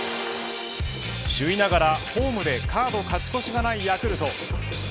首位ながら、ホームでカード勝ち越しがないヤクルト。